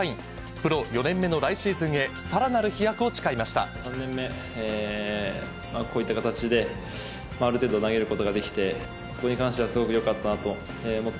プロ４年目の来シーズンへ、３年目、こういった形である程度、投げることができて、そこに関してはすごくよかったなと思って。